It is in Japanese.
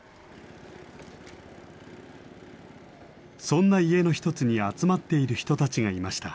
そんな家の一つに集まっている人たちがいました。